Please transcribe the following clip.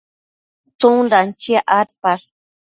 tsundan chiac adpash?